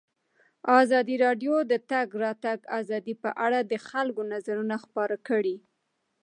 ازادي راډیو د د تګ راتګ ازادي په اړه د خلکو نظرونه خپاره کړي.